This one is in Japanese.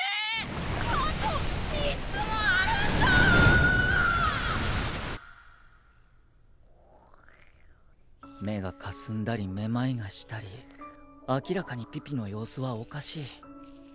心の声目がかすんだりめまいがしたり明らかにピピの様子はおかしい。